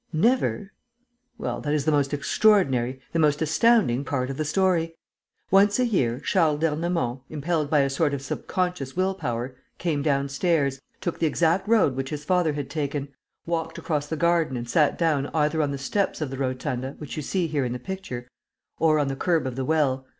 "Never?" "Well, that is the most extraordinary, the most astounding part of the story. Once a year, Charles d'Ernemont, impelled by a sort of subconscious will power, came downstairs, took the exact road which his father had taken, walked across the garden and sat down either on the steps of the rotunda, which you see here, in the picture, or on the kerb of the well.